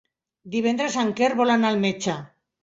Divendres en Quer vol anar al metge.